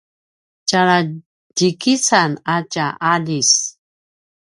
tjara djikican a tja aljis